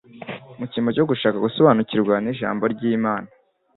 Mu cyimbo cyo gushaka gusobanukirwa n'Ijambo ry'Imana,